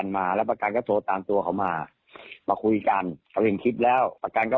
แล้วทางบริษัทเหร้าให้รับอย่างเดียวนะ